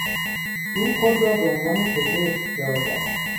او خود را به عنوان پزشک جازد.